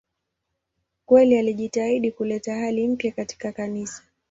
Kweli alijitahidi kuleta hali mpya katika Kanisa.